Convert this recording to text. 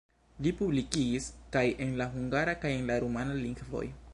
Li publikigis kaj en la hungara kaj en la rumana lingvoj.